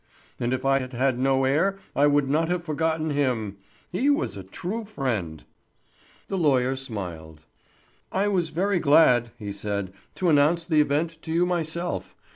And if I had had no heir I would not have forgotten him; he was a true friend." The lawyer smiled. "I was very glad," he said, "to announce the event to you myself.